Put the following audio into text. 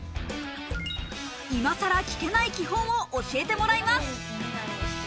今さら聞けない基本を教えてもらいます。